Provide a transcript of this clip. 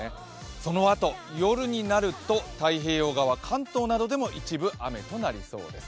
そのあと夜になると、太平洋側、関東などでも一部、雨となりそうです。